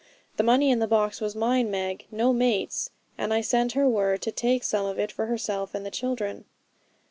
The money in the box was mine, Meg, no mate's; and I sent her word to take some of it for herself and the children.'